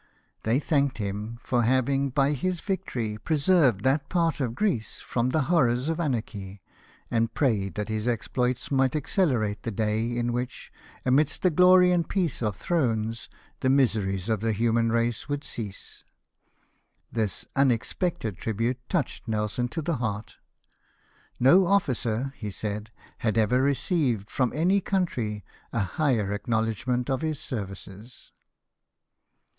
They thanked him " for having, by his victory, preserved that part of Greece from the horrors of 198 LIFE OF NELSON, anarchy, and prayed that his exploits might ac celerate the day in which, amidst the glory and peace of thrones, the miseries of the human race would cease." This unexpected tribute touched Nelson to the heart. " No officer," he said, " had ever received from any country a higher acknowledgment of his services."